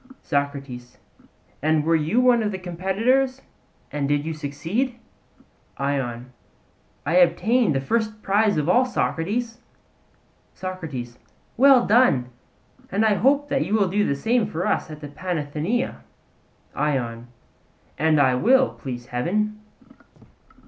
SOCRATES: And were you one of the competitors and did you succeed? ION: I obtained the first prize of all, Socrates. SOCRATES: Well done; and I hope that you will do the same for us at the Panathenaea. ION: And I will, please heaven.